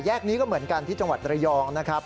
นี้ก็เหมือนกันที่จังหวัดระยองนะครับ